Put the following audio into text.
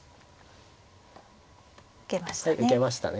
受けましたね。